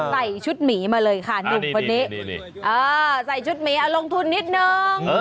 ใส่ชุดหมีมาเลยค่ะอ๋อใส่ชุดหมีลงทุนนิดนึง